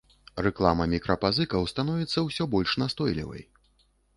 Рэклама мікрапазыкаў становіцца ўсё больш настойлівай.